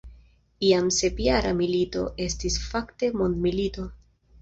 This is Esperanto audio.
Jam sepjara milito estis fakte mondmilito.